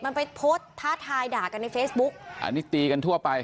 มันไปโพสต์ท้าทายด่ากันในเฟซบุ๊กอันนี้ตีกันทั่วไป